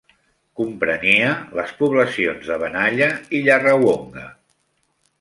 Comprenia les poblacions de Benalla i Yarrawonga.